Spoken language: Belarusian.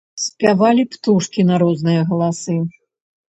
Спявалі птушкі на розныя галасы.